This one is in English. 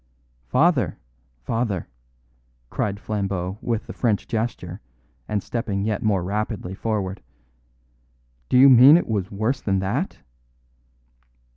"Father father," cried Flambeau with the French gesture and stepping yet more rapidly forward, "do you mean it was worse than that?"